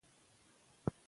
ملالۍ نوم یې مشهور کړی وو.